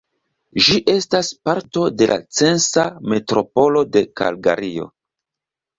Ĝi estas parto de la Censa Metropolo de Kalgario.